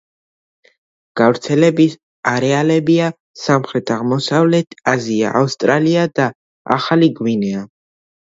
გავრცელების არეალებია სამხრეთ-აღმოსავლეთი აზია, ავსტრალია და ახალი გვინეა.